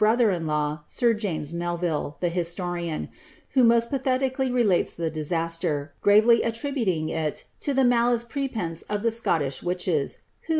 rollter in laH , sir Jame* Md ville, tlie hialorian, who most patheiicaUy relates the disasicr, gravciv atlribuiiiig it to tlic ninlicc prepense of the Scottish witches, nho.